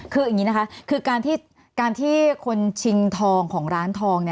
คืออย่างนี้นะคะคือการที่คนชิงทองของร้านทอง